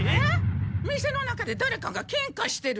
店の中でだれかがケンカしてる。